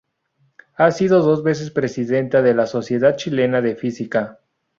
Ha sido dos veces presidente de la Sociedad Chilena de Física.